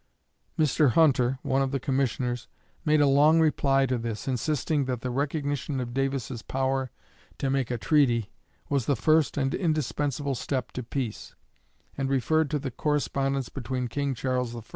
Mr. Hunter, one of the commissioners, made a long reply to this, insisting that the recognition of Davis's power to make a treaty was the first and indispensable step to peace, and referred to the correspondence between King Charles I.